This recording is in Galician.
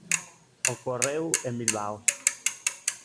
Ocorreu en Bilbao.